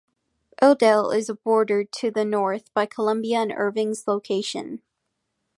Odell is bordered to the north by Columbia and Erving's Location.